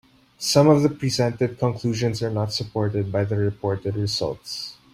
Some of the presented conclusions are not supported by the reported results.